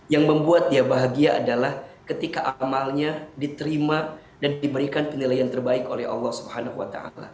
yang membuat dia bahagia adalah ketika amalnya diterima dan diberikan penilaian terbaik oleh allah swt